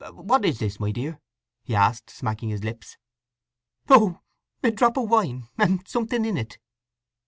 "What is this, my dear?" he asked, smacking his lips. "Oh—a drop of wine—and something in it."